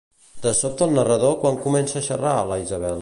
Se sobta el narrador quan comença a xerrar la Isabel?